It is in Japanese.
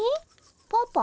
パパ？